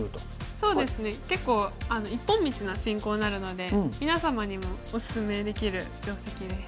そうですね結構一本道な進行になるので皆様にもおすすめできる定石です。